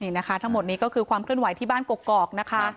นี่นะคะทั้งหมดนี้ก็คือความเคลื่อนไหวที่บ้านกกอกนะคะ